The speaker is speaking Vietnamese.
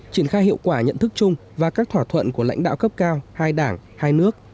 triển khai hiệu quả nhận thức chung và các thỏa thuận của lãnh đạo cấp cao hai đảng hai nước